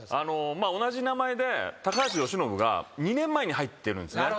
同じ名前で高橋由伸が２年前に入ってるんですよね。